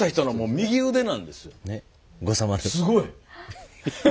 すごい。